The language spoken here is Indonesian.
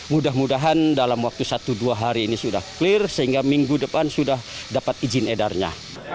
mudah mudahan dalam waktu satu dua hari ini sudah clear sehingga minggu depan sudah dapat izin edarnya